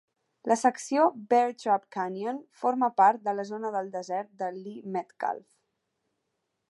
La secció Bear Trap Canyon forma part de la zona del desert de Lee Metcalf.